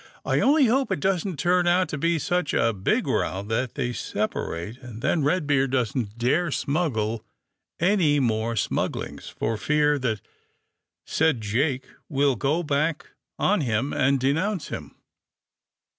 *^I only hope it doesn't turn out to be such a big row that they separate, and then Eedbeard doesn't dare smuggle any more smug glings for fear that said Jake will go back on him and denounce him."